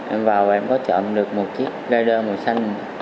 em vào và em có chọn được một chiếc rider màu xanh